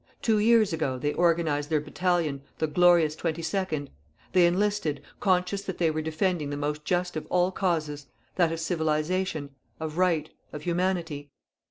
Two years ago, they organized their Battalion, the glorious 22nd. They enlisted, conscious that they were defending the most just of all causes, that of Civilization, of Right, of Humanity.